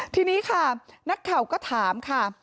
ทีนี้ค่ะนักข่าวก็ถามค่ะ